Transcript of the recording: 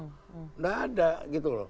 tidak ada gitu loh